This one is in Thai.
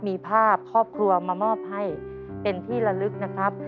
มีภาพครอบครัวมามอบให้เป็นที่ละลึกนะครับ